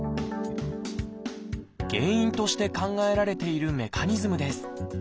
原因として考えられているメカニズムです